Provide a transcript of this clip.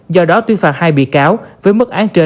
do đó tuyên phạt hai bị cáo với mức án trên để giáo dục răng đe